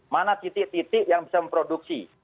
mana titik titik yang bisa memproduksi